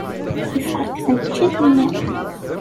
Teffeɣ seg tneččit-nni.